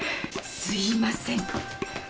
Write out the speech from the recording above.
すいません。